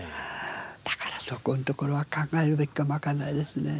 だからそこのところは考えるべきかもわかんないですね。